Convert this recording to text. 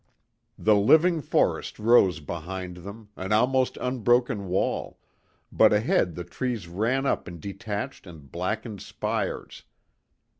The living forest rose behind them, an almost unbroken wall, but ahead the trees ran up in detached and blackened spires.